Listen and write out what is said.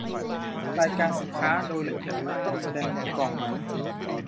รายการสินค้าโดยละเอียดไม่ต้องแสดงบนกล่องไหม